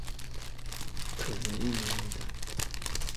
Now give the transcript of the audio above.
可能一年一代。